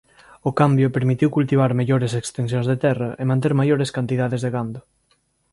O cambio permitiu cultivar mellores extensións de terra e manter maiores cantidades de gando.